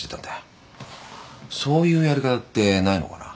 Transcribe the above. そういうやり方ってないのかな？